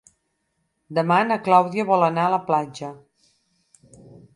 Demà na Clàudia vol anar a la platja.